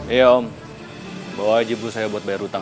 iya om bawa aja dulu saya buat bayar hutang